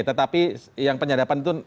tetapi yang penyadapan itu